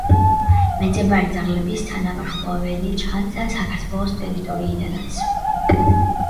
მეძებარი ძაღლების თანავარსკვლავედი ჩანს საქართველოს ტერიტორიიდანაც.